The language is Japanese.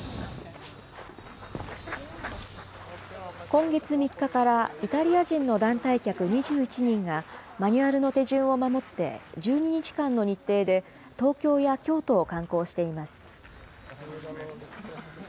今月３日から、イタリア人の団体客２１人が、マニュアルの手順を守って、１２日間の日程で東京や京都を観光しています。